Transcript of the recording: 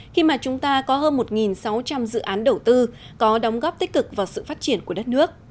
khi mà chúng ta có hơn một sáu trăm linh dự án đầu tư có đóng góp tích cực vào sự phát triển của đất nước